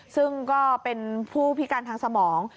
ซึ่งก็เป็นผู้พิการทางสมอง